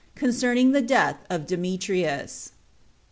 Concerning The Death Of Demetrius.